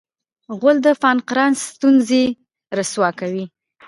غول د پانقراس ستونزې رسوا کوي.